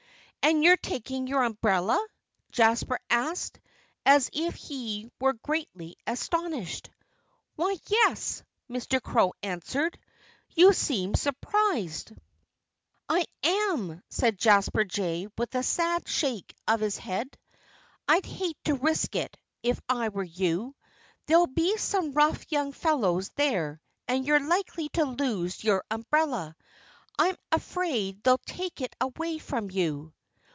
"And you're taking your umbrella?" Jasper asked, as if he were greatly astonished. "Why yes!" Mr. Crow answered. "You seem surprised." "I am," said Jasper Jay with a sad shake of his head. "I'd hate to risk it, if I were you. There'll be some rough young fellows there and you're likely to lose your umbrella. I'm afraid they'll take it away from you."